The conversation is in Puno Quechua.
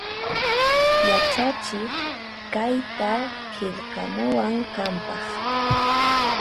Yachachiq kayta qillqamuwan qanpaq